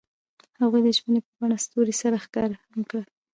هغوی د ژمنې په بڼه ستوري سره ښکاره هم کړه.